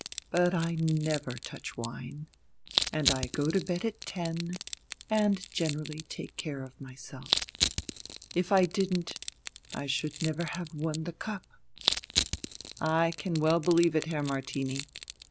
But I never touch wine. And I go to bed at ten, and generally take care of myself. If I didn't, I should never have won the cup." "I can well believe it, Herr Martini.